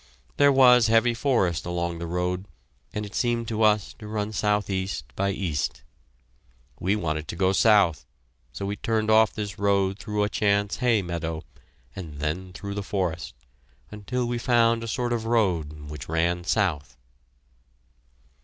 There was heavy forest along the road, and it seemed to us to run southeast by east. We wanted to go south, so we turned off this road through a chance hay meadow, and then through the forest, until we found a sort of road which ran south.